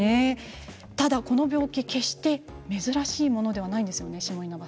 ただこの病気、決して珍しいものではないんですよね。